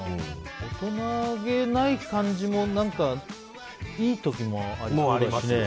大人げない感じもいい時もあるしね。